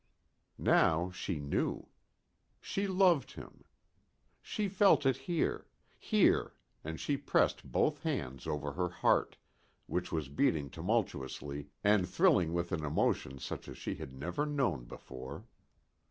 Now she knew. She loved him. She felt it here, here, and she pressed both hands over her heart, which was beating tumultuously and thrilling with an emotion such as she had never known before.